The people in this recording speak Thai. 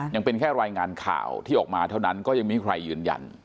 ยังเป็นแค่รายงานข่าวที่ออกมาเท่านั้นก็ยังไม่มีใครยืนยัน